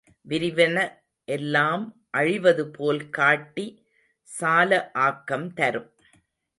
விரிவன எல்லாம் அழிவதுபோல் காட்டி சால ஆக்கம் தரும்.